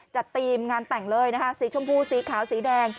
จัดตีมงานแต่งเลยสีชมพูสีขาวสีแดง